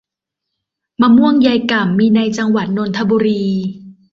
มะม่วงยายก่ำ มีในจังหวัดนนทบุรี